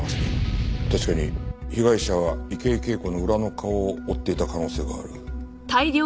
確かに被害者は池井景子の裏の顔を追っていた可能性がある。